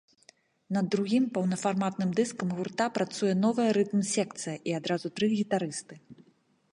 Над другім паўнафарматным дыскам гурта працуе новая рытм-секцыя і адразу тры гітарысты.